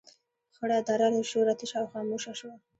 خړه دره له شوره تشه او خاموشه شوه.